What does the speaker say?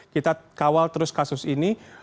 kita kawal terus kasus ini